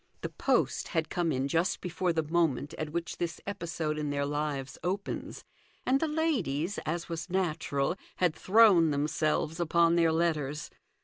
The post had come in just before the moment at which this episode in their lives opens, and the ladies, as was natural, had thrown themselves upon their letters.